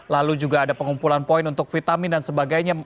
lalu juga ada pengumpulan poin untuk vitamin dan sebagainya